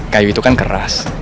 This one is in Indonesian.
kayu itu kan keras